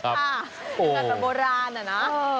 เหมือนกับโบราณอ่ะนะ